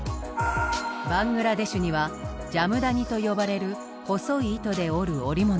バングラデシュにはジャムダニと呼ばれる細い糸で織る織物がある。